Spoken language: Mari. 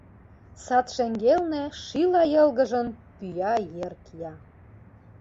Сад шеҥгелне шийла йылгыжын, пӱя-ер кия.